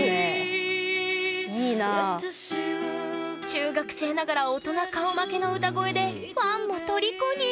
中学生ながら大人顔負けの歌声でファンもとりこに！